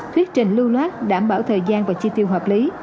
thuyết trình lưu loát đảm bảo thời gian và chi tiêu hợp lý